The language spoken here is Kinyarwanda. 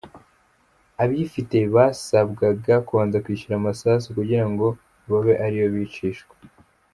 Abifite, basabwaga kubanza kwishyura amasasu kugirango babe ari yo bicishwa.